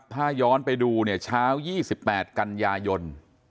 ถ้าย้อนไปดูเนี่ยเช้า๒๘กันยายน